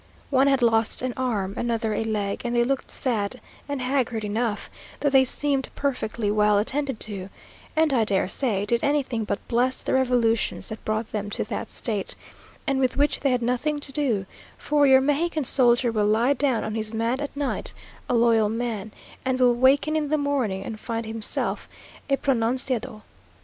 One had lost an arm, another a leg, and they looked sad and haggard enough, though they seemed perfectly well attended to, and, I dare say, did anything but bless the revolutions that brought them to that state, and with which they had nothing to do; for your Mexican soldier will lie down on his mat at night, a loyal man, and will waken in the morning and find himself a pronunciado.